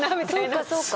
そうかそうか。